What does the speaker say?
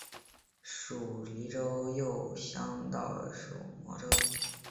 属邕州右江道羁縻州。